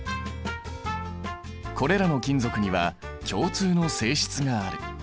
これらの金属には共通の性質がある。